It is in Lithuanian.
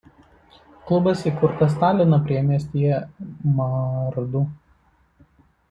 Klubas įkurtas Talino priemiestyje Maardu.